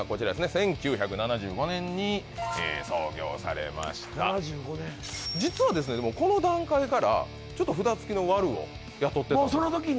１９７５年に創業されました実はこの段階からちょっと札付きのワルを雇ってたもうそのときに？